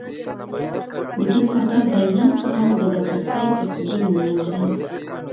د دې پاچا ځایناستو هم د ده په څېر تصویري نومونه لرل